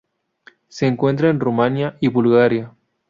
Se encuentra en Rumanía y Bulgaria.